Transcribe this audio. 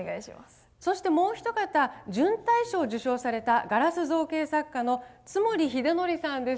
そしてもう一方準大賞を受賞されたガラス造形作家の津守秀憲さんです。